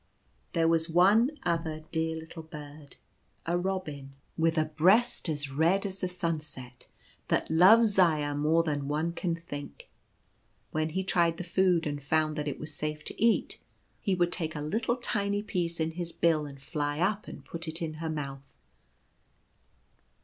There was one other dear little bird — a robin, with a 66 The Birds say Grace. breast as red as the sunset — that loved Zaya more than one can think. When he tried the food and found that it was safe to eat, he would take a little tiny piece in his bill, and fly up and put it in her mouth.